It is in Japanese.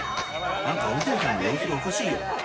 なんか運転手さんの様子がおかしいよ。